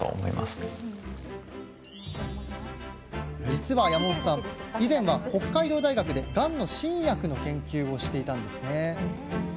実は山本さん以前は、北海道大学でがんの新薬の研究をしていました。